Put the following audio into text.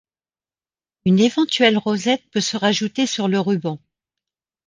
Une éventuelle rosette peut se rajouter sur le ruban.